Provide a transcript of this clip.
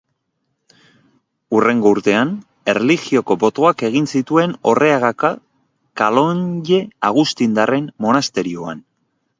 Hurrengo urtean, erlijioko botoak egin zituen Orreagako kalonje agustindarren monasterioan.